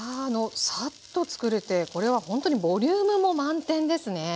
サッとつくれてこれはほんとにボリュームも満点ですね！